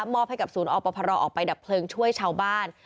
อบให้กับศูนย์อพรออกไปดับเพลิงช่วยชาวบ้าน